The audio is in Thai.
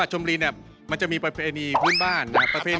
ตาทำให้ครับ